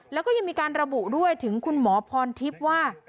แล้วก็ยังมีการระบุด้วยถึงคุณหมอพรทิพย์ว่า